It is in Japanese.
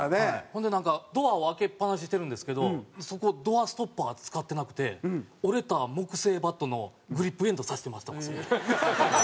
ほんでなんかドアを開けっぱなしにしてるんですけどそこドアストッパー使ってなくて折れた木製バットのグリップエンド挿してましたわそこに。